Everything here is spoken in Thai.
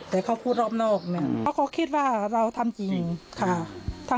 แต่เขาพูดรอบนอกนะเพราะเขาคิดว่าเราทำจริงค่ะ